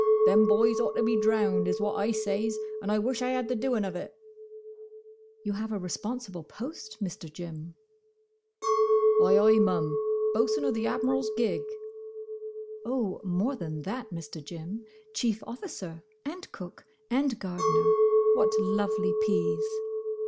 "Them boys ought to be drownded, is what I says; and I wish I had the doing of it." "You have a responsible post, Mr. Jim." "Ay, ay, mum. Bosun o' the Admiral's gig." "Oh, more than that, Mr. Jim. Chief officer, and cook, and gardener—what lovely peas!"